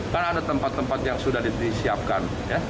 karena ada tempat tempat yang sudah disiapkan